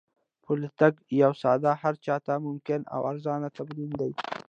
پلی تګ یو ساده، هر چا ته ممکن او ارزانه تمرین دی.